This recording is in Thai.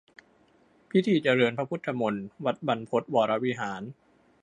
พิธีเจริญพระพุทธมนต์ วัดบรรพตวรวิหาร